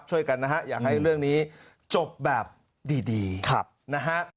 ช่วยกันนะฮะอยากให้เรื่องนี้จบแบบดีนะฮะ